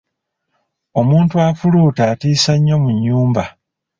Omuntu afuluuta atiisa nnyo mu nnyumba.